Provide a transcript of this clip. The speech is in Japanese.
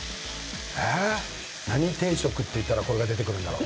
何定食と言ったらこれが出てくるんだろう？